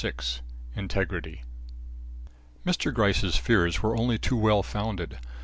INTEGRITY Mr. Gryce's fears were only too well founded.